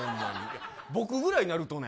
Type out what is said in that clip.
僕ぐらいになるとね